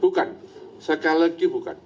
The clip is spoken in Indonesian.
bukan sekali lagi bukan